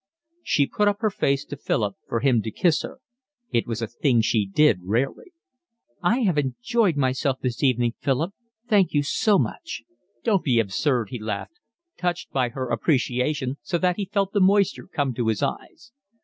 She put up her face to Philip for him to kiss her. It was a thing she did rarely. "I have enjoyed myself this evening, Philip. Thank you so much." "Don't be so absurd," he laughed, touched by her appreciation so that he felt the moisture come to his eyes.